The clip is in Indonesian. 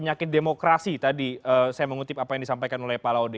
penyakit demokrasi tadi saya mengutip apa yang disampaikan oleh pak laude